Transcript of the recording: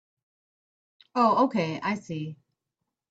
Oh okay, I see.